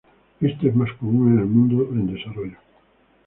Esto es más común en el mundo en desarrollo.